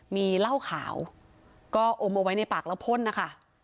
มีเหล้าขาวก็อมเอาไว้ในปากแล้วพ่นนะคะ